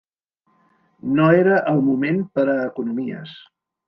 No era el moment per a economies